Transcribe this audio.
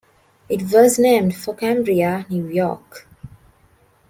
It was named for Cambria, New York.